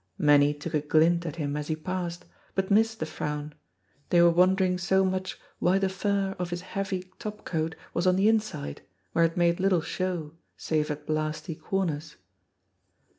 Many took a glint at him as he passed, but missed the frown, they were wondering so much why the fur of his heavy top coat was on the inside, where it made little show, save at blasty corners.